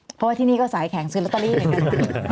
เพราะว่าที่นี่ก็สายแข็งศิลตรีเหมือนกัน